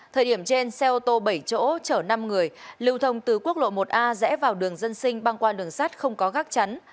thời điểm trên xe ô tô bảy chỗ chở năm người lưu thông từ quốc lộ một a rẽ vào đường dân sinh băng qua đường sát không có gác chắn